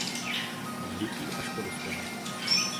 Od dětí až po dospělé.